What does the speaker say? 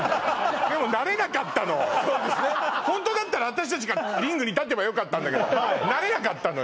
ホントだったら私達がリングに立てばよかったんだけどなれなかったのよ